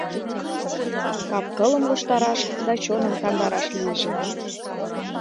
Кап-кылым луштараш да чоным кандараш лийже.